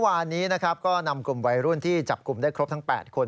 วันนี้ก็นำกลุ่มวายรุ่นที่จับกลุ่มได้ครบทั้งแปดคน